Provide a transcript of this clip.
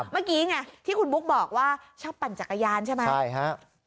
เมื่อกี้ไงที่คุณบุ๊กบอกว่าชอบปั่นจักรยานใช่ไหมใช่ฮะ